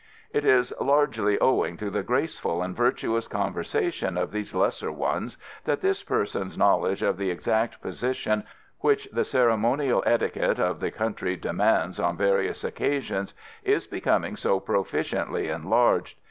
It is largely owing to the graceful and virtuous conversation of these lesser ones that this person's knowledge of the exact position which the ceremonial etiquette of the country demands on various occasions is becoming so proficiently enlarged.